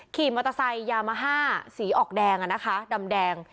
ขี่มอตราไซน์ยามาหาสีอกแดงอะนะคะดำแดง